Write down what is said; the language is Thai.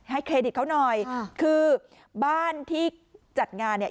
เครดิตเขาหน่อยคือบ้านที่จัดงานเนี่ย